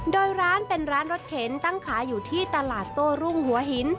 โดยร้านเป็นร้านรถเข็นตั้งขายอยู่ที่ตลาดโต้รุ่งหัวหิน